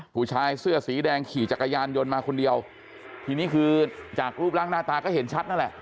ผู้ชายเสื้อสีแดงขี่จักรยานยนต์มาคนเดียวทีนี้คือจากรูปร่างหน้าตาก็เห็นชัดนั่นแหละ